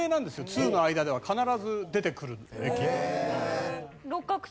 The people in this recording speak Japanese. ツウの間では必ず出てくる駅。